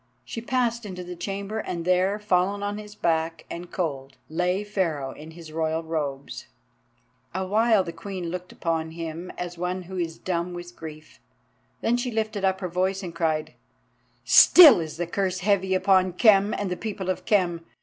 She passed into the chamber, and there, fallen on his back and cold, lay Pharaoh in his royal robes. Awhile the Queen looked upon him as one who is dumb with grief. Then she lifted up her voice and cried: "Still is the curse heavy upon Khem and the people of Khem.